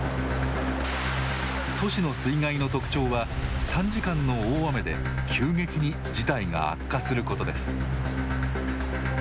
都市の水害の特徴は短時間の大雨で急激に事態が悪化することです。